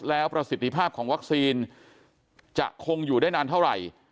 แล้วประสิทธิภาพของวัคซีนจะคงอยู่ได้นานเท่าไหร่